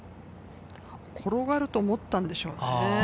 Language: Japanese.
転がると思ったんでしょうね。